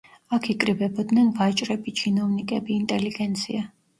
აქ იკრიბებოდნენ ვაჭრები, ჩინოვნიკები, ინტელიგენცია.